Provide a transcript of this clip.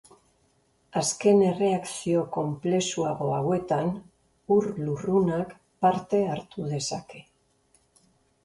Azken erreakzio konplexuago hauetan ur-lurrunak parte hartu dezake.